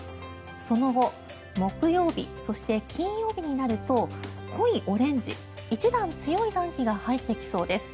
その後木曜日、そして金曜日になると濃いオレンジ、１段強い暖気が入ってきそうです。